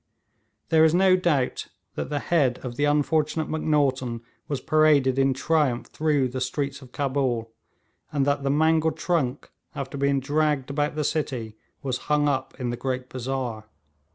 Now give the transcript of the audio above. There is no doubt that the head of the unfortunate Macnaghten was paraded in triumph through the streets of Cabul, and that the mangled trunk, after being dragged about the city, was hung up in the great bazaar.